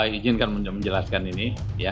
ijinkan menjelaskan ini